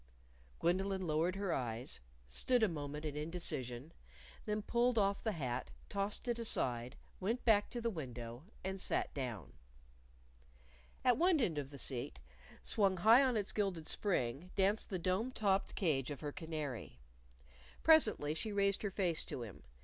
Gwendolyn lowered her eyes, stood a moment in indecision, then pulled off the hat, tossed it aside, went back to the window, and sat down. At one end of the seat, swung high on its gilded spring, danced the dome topped cage of her canary. Presently she raised her face to him.